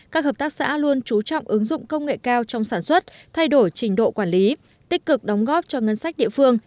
các hợp tác xã luôn trú trọng ứng dụng công nghệ cao trong sản xuất thay đổi trình độ quản lý tích cực đóng góp cho ngân sách địa phương